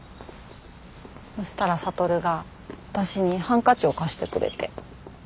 そしたら羽が私にハンカチを貸してくれて。